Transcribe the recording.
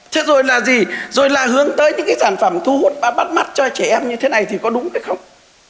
thế rồi là gì rồi là hướng tới những cái sản phẩm thu hút và bắt mắt cho trẻ em như thế này thì có đúng hay không